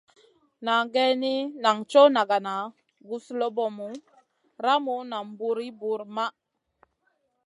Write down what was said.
Na geyni, nan coʼ nagana, guzlobomu, ramu nam buw ir buwr maʼh.